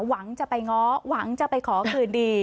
หวังจะไปง้อหวังจะไปขอคืนดี